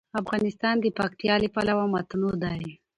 افغانستان د پکتیکا له پلوه متنوع دی.